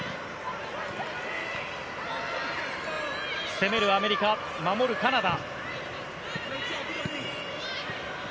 攻めるアメリカ守るカナダ。